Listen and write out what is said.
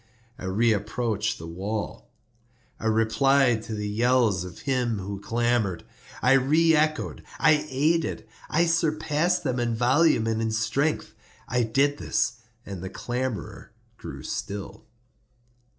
I reapproached the wall. I replied to the yells of him who clamored. I re echoed—I aided—I surpassed them in volume and in strength. I did this, and the clamorer grew still.